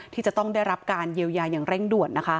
ที่จะต้องได้รับการเยียวยาอย่างเร่งด่วนนะคะ